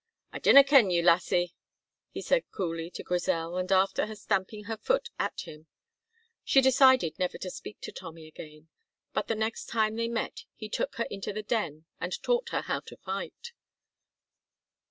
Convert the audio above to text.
"I dinna ken you, lassie," he said coolly to Grizel, and left her stamping her foot at him. She decided never to speak to Tommy again, but the next time they met he took her into the Den and taught her how to fight.